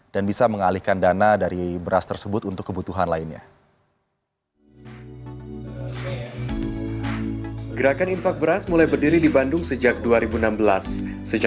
dan bisa mengalihkan dana dari beras tersebut untuk kebutuhan lainnya